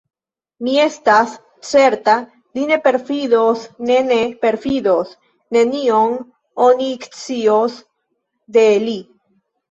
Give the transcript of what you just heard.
Mi estas certa, li ne perfidos, ne, ne perfidos: nenion oni ekscios de li.